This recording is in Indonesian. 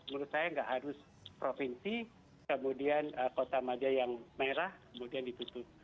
menurut saya nggak harus provinsi kemudian kota maja yang merah kemudian ditutup